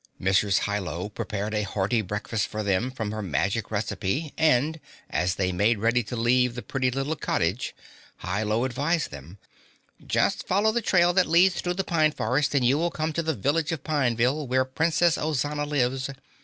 Mrs. Hi Lo prepared a hearty breakfast for them from her magic recipe and, as they made ready to leave the pretty little cottage, Hi Lo advised them: "Just follow the trail that leads through the Pine Forest and you will come to the Village of Pineville where Princess Ozana lives.